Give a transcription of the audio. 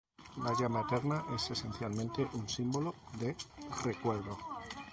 La llama eterna es esencialmente un símbolo de recuerdo.